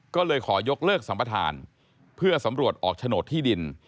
ก็เลยขอยกเลิกสัมประธานเพื่อสำรวจออกโฉนดที่ดิน